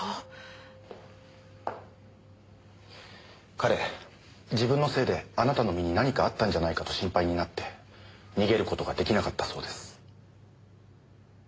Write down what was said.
彼自分のせいであなたの身に何かあったんじゃないかと心配になって逃げる事ができなかったそうです。